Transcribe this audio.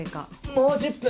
もう１０分！